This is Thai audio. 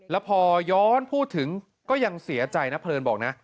แล้วพอย้อนพูดถึงก็ยังเสียใจนะเพลินบอกนะ